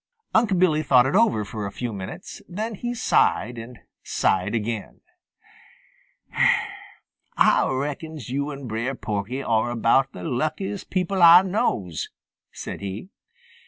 Unc' Billy thought it over for a few minutes. Then he sighed and sighed again. "Ah reckons yo' and Brer Porky are about the luckiest people Ah knows," said he.